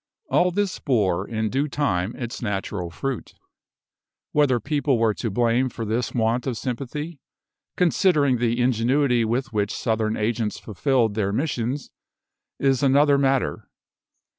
All this bore, in due time, its natural fruit. Whether people were to blame for this want of sympathy, considering the ingenuity with which Southern agents fulfilled their missions, is another matter.